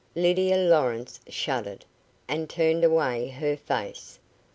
Lydia Lawrence shuddered, and turned away her face.